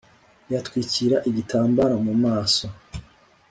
yitwikira igitambaro mu maso